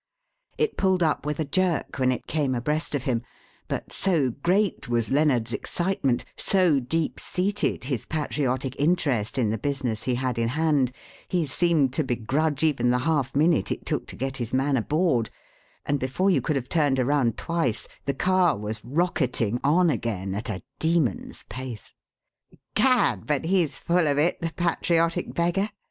It pulled up with a jerk when it came abreast of him, but so great was Lennard's excitement, so deep seated his patriotic interest in the business he had in hand, he seemed to begrudge even the half minute it took to get his man aboard; and before you could have turned around twice the car was rocketing on again at a demon's pace. "Gad! but he's full of it, the patriotic beggar!"